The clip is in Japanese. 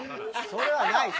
それはないです。